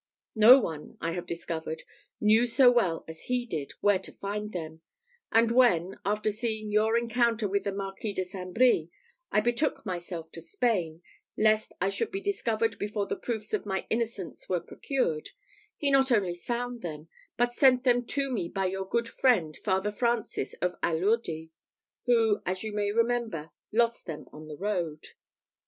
No one, I have discovered, knew so well as he did where to find them; and when, after seeing your encounter with the Marquis de St. Brie, I betook myself to Spain, lest I should be discovered before the proofs of my innocence were procured, he not only found them, but sent them to me by your good friend Father Francis of Allurdi, who, as you may remember, lost them on the road."